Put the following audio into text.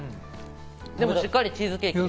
でも、しっかりチーズケーキ。